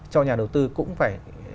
cho nhà đầu tư cũng phải